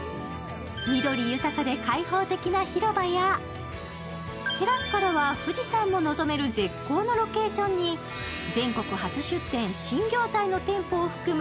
緑豊かで開放的な広場や、テラスからは富士山も臨める絶好のロケーションに全国初出店、新業態の店舗を含む